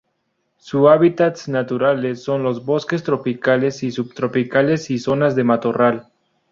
Su hábitats naturales son los bosques tropicales y subtropicales y zonas de matorral.